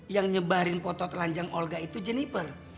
yang nyebarin foto telanjang olga itu jennifer